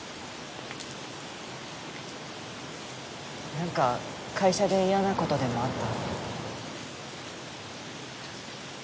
なんか会社で嫌な事でもあった？